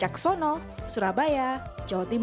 ksono surabaya jawa timur